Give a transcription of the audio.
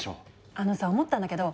あのさ思ったんだけど。